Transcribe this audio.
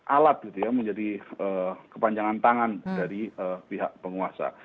alat gitu ya menjadi kepanjangan tangan dari pihak penguasa